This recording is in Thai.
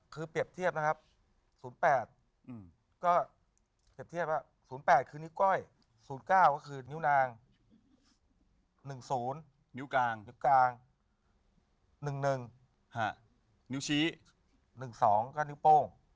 คือเปรียบเทียบนะครับ๐๘ก็เปรียบเทียบว่า๐๘คือนิ้วก้อย๐๙ก็คือนิ้วนาง๑๐นิ้วกลางนิ้วกลาง๑๑นิ้วชี้๑๒ก็นิ้วโป้ง